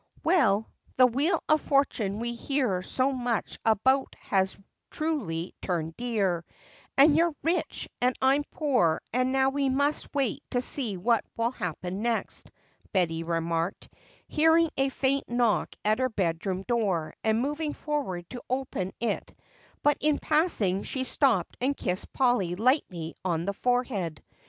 "Well, the wheel of fortune we hear so much about has truly turned, dear, and you're rich and I'm poor and now we must wait to see what will happen next," Betty remarked, hearing a faint knock at her bedroom door and moving forward to open it, but in passing she stopped and kissed Polly lightly on the forehead.